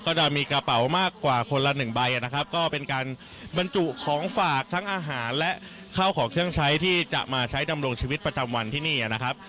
ก็จะมีกระเป๋ามากกว่าคนละหนึ่งใบนะครับก็เป็นการบรรจุของฝากทั้งอาหารและข้าวของเครื่องใช้ที่จะมาใช้ดำรงชีวิตประจำวันที่นี่นะครับ